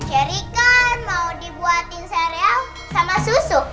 jerry kan mau dibuatin sereal sama susu